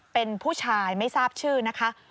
เป็นผู้ชายไม่ทราบชื่อนะคะ